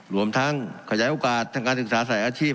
รวมทั้งขยายโอกาสทางการศึกษาใส่อาชีพ